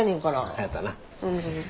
そやったな。